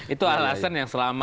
itu alasan yang selama